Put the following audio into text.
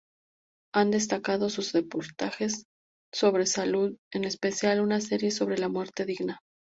Han destacado sus reportajes sobre salud, en especial una serie sobre la muerte digna.